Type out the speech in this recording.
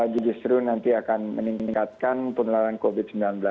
justru nanti akan meningkatkan penularan covid sembilan belas